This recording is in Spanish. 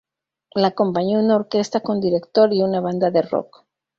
La acompañó una orquesta con director y una banda de "rock".